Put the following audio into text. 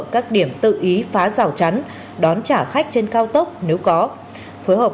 các điểm tự ý phá rào chắn đón trả khách trên cao tốc nếu có